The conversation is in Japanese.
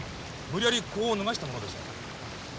無理やりこう脱がしたものでしょうね。